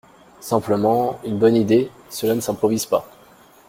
Simplement, une bonne idée, cela ne s’improvise pas.